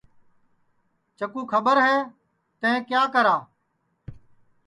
چکُو کھٻر ہے تیں کیا کرا ہے